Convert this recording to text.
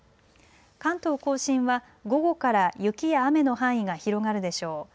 関東甲信は午後から雪や雨の範囲が広がるでしょう。